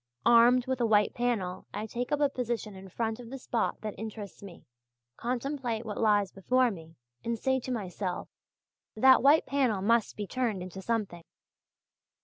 Armed with a white panel I take up a position in front of the spot that interests me, contemplate what lies before me, and say to myself, 'that white panel must be turned into something!